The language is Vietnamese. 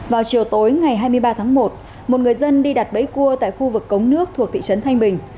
vào chiều tối ngày hai mươi ba tháng một một người dân đi đặt bẫy cua tại khu vực cống nước thuộc thị trấn thanh bình